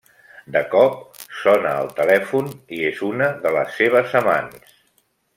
De cop, sona el telèfon i és una de les seves amants.